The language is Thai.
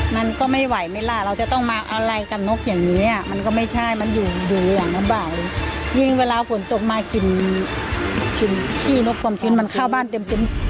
มันก็ไม่ไหวไหมล่ะเราจะต้องมาอะไรกับนกอย่างนี้อ่ะมันก็ไม่ใช่มันอยู่อยู่อย่างลำบากเลยยิ่งเวลาฝนตกมากลิ่นกลิ่นขี้นกความชื้นมันเข้าบ้านเต็มเต็ม